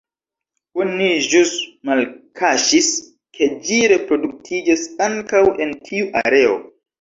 Oni ĵus malkaŝis, ke ĝi reproduktiĝas ankaŭ en tiu areo.